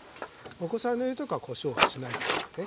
お子さんのいる時はこしょうはしないで下さいね。